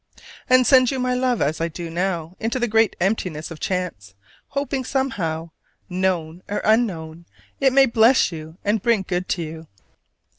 and send you my love as I do now into the great emptiness of chance, hoping somehow, known or unknown, it may bless you and bring good to you.